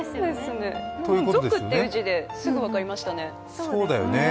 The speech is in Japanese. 「賊」という字ですぐ分かりましたね。